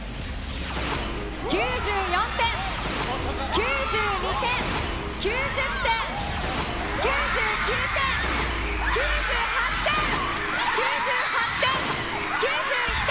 ９４点、９２点、９０点、９９点、９８点、９８点、９１点。